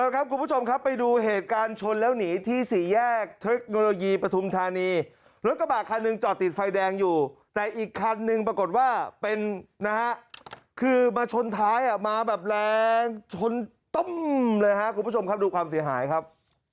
ครับคุณผู้ชมครับไปดูเหตุการณ์ชนแล้วหนีที่สี่แยกเทคโนโลยีปฐุมธานีรถกระบาดคันหนึ่งจอดติดไฟแดงอยู่แต่อีกคันหนึ่งปรากฏว่าเป็นนะฮะคือมาชนท้ายมาแบบแรงชนตุ้มเลยครับคุณผู้ชมครับดูความเสียหายครับ